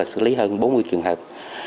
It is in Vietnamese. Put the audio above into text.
xử lý hơn bốn mươi trường hợp